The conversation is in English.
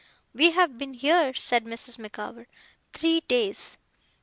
We have been here,' said Mrs. Micawber, 'three days.